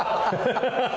ハハハハ！